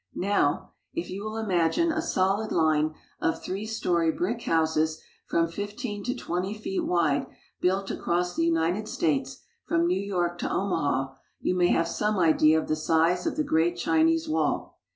Now, if you will imagine a solid line of three story brick houses from fifteen to twenty feet wide, built across the United States from New York to Omaha, you may have some idea of the size of the Great Chinese Wall.